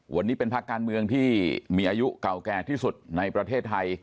วันนี้เป็นภาคการเมืองที่มีอายุเก่าแก่ที่สุดในประเทศไทย